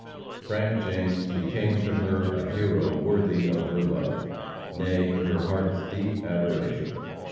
Frank James became to her a hero worthy of her love nay, her heart's deep adoration.